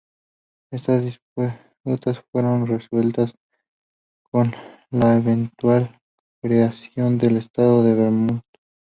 Estas disputas fueron resueltas con la eventual creación del estado de Vermont.